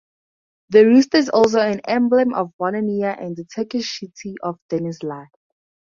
The rooster is also an emblem of Wallonia and the Turkish city of Denizli.